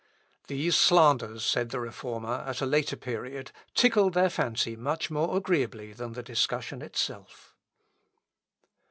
"These slanders," said the Reformer at a later period, "tickled their fancy much more agreeably than the discussion itself."